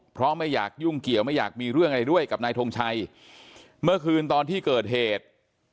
เพราะไม่อยากยุ่งเกี่ยวไม่อยากมีเรื่องอะไรด้วยกับนายทงชัยเมื่อคืนตอนที่เกิดเหตุ